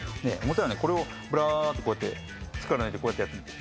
これをぶらーっとこうやって力抜いてこうやってやってみて。